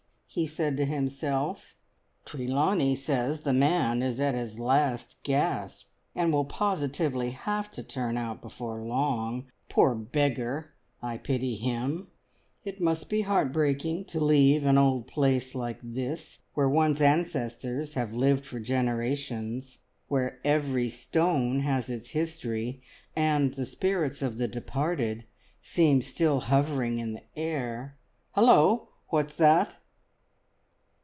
he said to himself. "Trelawney says the man is at his last gasp, and will positively have to turn out before long. Poor beggar! I pity him. It must be heartbreaking to leave an old place like this, where one's ancestors have lived for generations, where every stone has its history, and the spirits of the departed seem still hovering in the air. Halloa, what's that?"